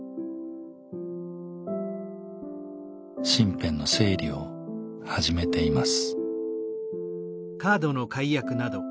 身辺の整理を始めています。